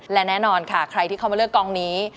และแน่นอนค่ะใครที่เข้ามาเลือกกองนี้